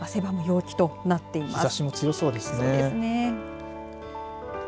汗ばむ陽気となっています。